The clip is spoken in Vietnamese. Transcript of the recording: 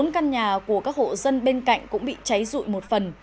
bốn căn nhà của các hộ dân bên cạnh cũng bị cháy rụi một phần